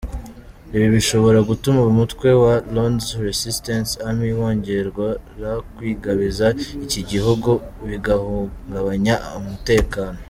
Ibi bishobora gutuma umutwe wa Lord’s Resistance Army wongera kwigabiza iki gihugu bigahungabanya umutekano.